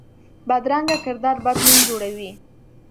بدرنګه کردار بد نوم جوړوي